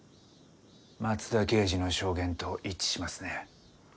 松田刑事の証言と一致しますね。